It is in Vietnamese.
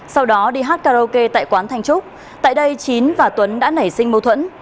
sau đó đi hát karaoke tại quán thanh trúc tại đây chín và tuấn đã nảy sinh mâu thuẫn